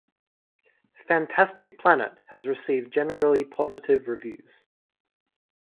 "Fantastic Planet" has received generally positive reviews.